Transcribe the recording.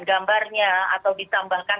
gambarnya atau ditambahkan